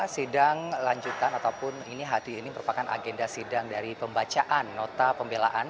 sidang lanjutan ataupun ini berpakaian agenda sidang dari pembacaan nota pembelaan